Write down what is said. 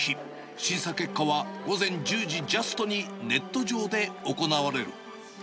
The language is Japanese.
審査結果は午前１０時ジャストに、ネット上で行われる。